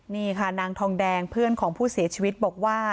นี่ค่ะนางทองแดงเพื่อนของผู้เสียชีวิตบอกว่า